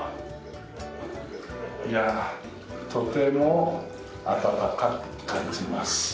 いやあとても温かく感じます。